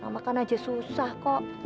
makan aja susah kok